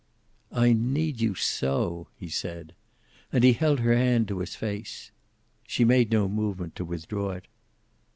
"I need you so!" he said. And he held her hand to his face. She made no movement to withdraw it.